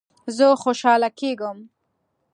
زه خوشحاله کیږم